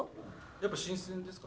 やっぱ新鮮ですか？